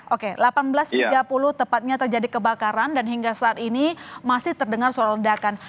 oke seribu delapan ratus tiga puluh tepatnya terjadi kebakaran dan hingga saat ini masih terdengar suara ledakan